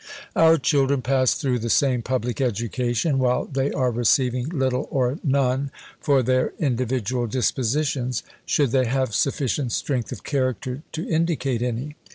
Our children pass through the same public education, while they are receiving little or none for their individual dispositions, should they have sufficient strength of character to indicate any.